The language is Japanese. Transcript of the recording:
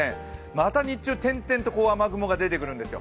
また日中、点々と雨雲が出てくるんですよ。